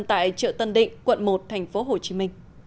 tại chợ tân định quận một tp hcm